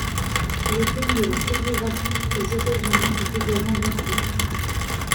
Le thème de la ségrégation aux États-Unis est également bien présent.